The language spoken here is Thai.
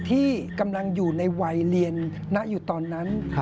ที่กำลังอยู่ในวัยเรียนณอยู่ตอนนั้น